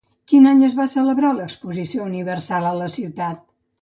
Quin any es va celebrar l'exposició universal a la ciutat?